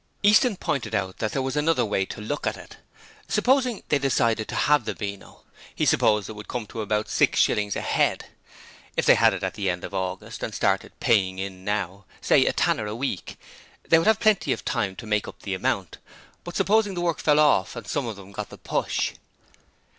Easton pointed out that there was another way to look at it: supposing they decided to have the Beano, he supposed it would come to about six shillings a head. If they had it at the end of August and started paying in now, say a tanner a week, they would have plenty of time to make up the amount, but supposing the work fell off and some of them got the push?